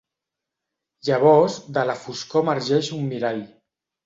Llavors de la foscor emergeix un mirall.